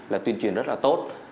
là tuyên truyền rất là tốt